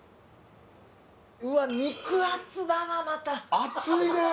うわ肉厚だなまた厚いね